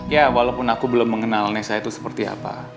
ya walaupun aku belum mengenal nesa itu seperti apa